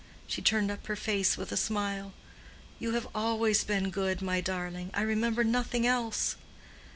She turned up her face with a smile. "You have always been good, my darling. I remember nothing else."